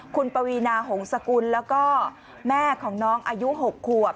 คุณปวีนาหงษกุลแล้วก็แม่ของน้องอายุ๖ขวบ